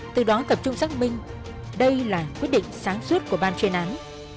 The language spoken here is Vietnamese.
từ đó tập trung xác minh đây là quyết định sáng suốt của ban chuyên án